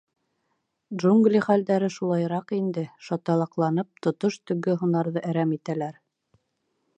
— Джунгли хәлдәре шулайыраҡ инде: шаталаҡланып, тотош төнгө һунарҙы әрәм итәләр.